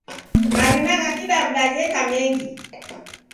Marina ghakidawida gheka mengi.